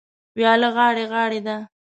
وياله غاړې غاړې ده.